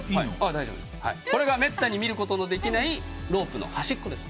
これがめったに見ることのできないロープの端っこです。